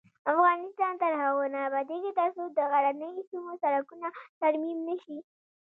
افغانستان تر هغو نه ابادیږي، ترڅو د غرنیو سیمو سړکونه ترمیم نشي.